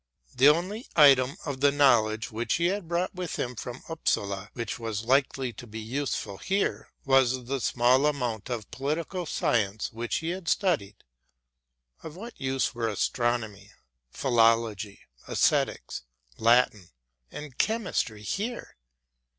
The only item of the knowledge which he had brought with him from Upsala which was likely to be useful here, was the small amount of political science which he had studied. Of what use were Astronomy, Philology, Æsthetics, Latin and Chemistry here?